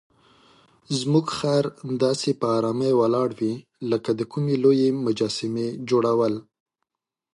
زموږ خر داسې په آرامۍ ولاړ وي لکه د کومې لویې مجسمې جوړول.